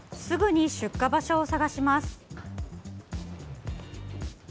すぐに出火場所を探します。